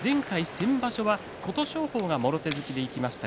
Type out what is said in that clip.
先場所は琴勝峰がもろ手突きでいきました。